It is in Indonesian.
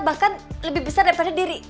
bahkan lebih besar daripada diri